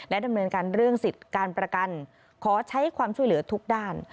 ดำเนินการเรื่องสิทธิ์การประกันขอใช้ความช่วยเหลือทุกด้าน